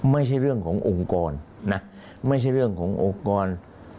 ไม่ใช่เรื่องขององค์กรนะไม่ใช่เรื่องขององค์กร